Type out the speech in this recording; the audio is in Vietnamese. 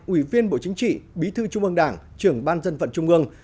ủy viên bộ chính trị bí thư trung ương đảng trưởng ban dân vận trung ương